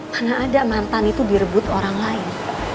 karena ada mantan itu direbut orang lain